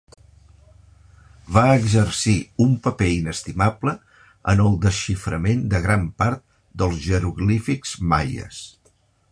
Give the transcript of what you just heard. Va exercir un paper inestimable en el desxiframent de gran part dels jeroglífics maies.